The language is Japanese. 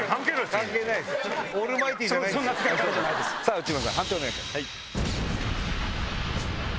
内村さん判定をお願いします。